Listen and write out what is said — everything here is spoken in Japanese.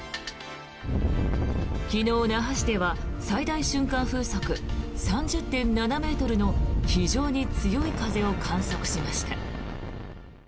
昨日、那覇市では最大瞬間風速３０．７ｍの非常に強い風を観測しました。